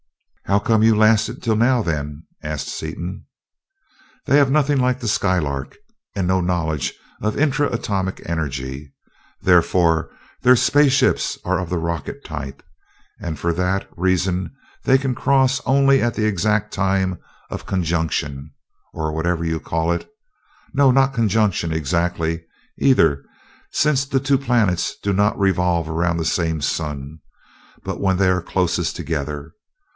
"How come you lasted till now, then?" asked Seaton. "They have nothing like the Skylark, and no knowledge of intra atomic energy. Therefore their space ships are of the rocket type, and for that reason they can cross only at the exact time of conjunction, or whatever you call it no, not conjunction, exactly, either, since the two planets do not revolve around the same sun: but when they are closest together.